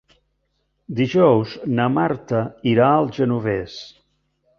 Dijous na Marta irà al Genovés.